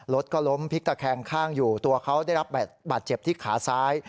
รถก็ล้มพลิกตะแคงข้างอยู่ตัวเขาได้รับบาดเจ็บที่ขาซ้าย